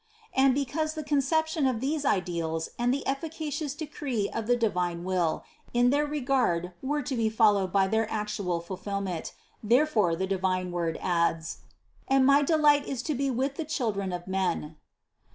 And be cause the conception of these ideals and the efficacious decree of the divine Will in their regard were to be fol lowed by their actual fulfillment, therefore the divine Word adds: 69. "And my delight is to be with the children of men."